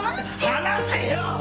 離せよ！